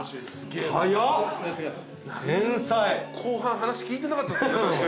後半話聞いてなかった。